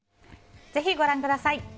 ぜひ、ご覧ください。